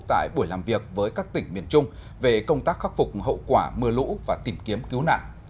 tại buổi làm việc với các tỉnh miền trung về công tác khắc phục hậu quả mưa lũ và tìm kiếm cứu nạn